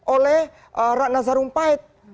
oleh ratna sarumpait